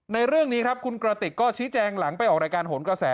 ในเรื่องนี้ครับคุณกระติกก็ชี้แจงหลังไปออกรายการโหนกระแส